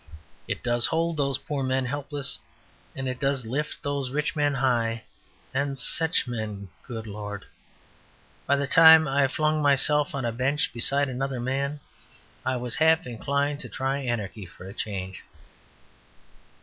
It does hold those poor men helpless: and it does lift those rich men high... and such men good Lord! By the time I flung myself on a bench beside another man I was half inclined to try anarchy for a change.